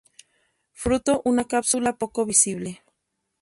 Fruto una cápsula poco visible.